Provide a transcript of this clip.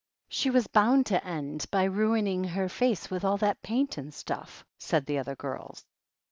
"She was boimd to end by ruining her skin with all that paint and stuff/' said the other girls.